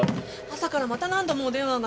朝からまた何度もお電話が。